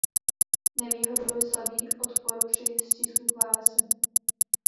Nevýhodou je slabý odpor při stisku klávesy.